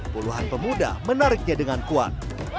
puluhan pemuda menariknya dengan kuat